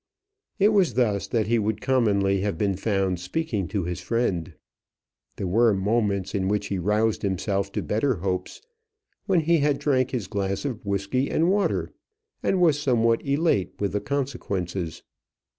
It was thus that he would commonly have been found speaking to his friend. There were moments in which he roused himself to better hopes, when he had drank his glass of whisky and water, and was somewhat elate with the consequences.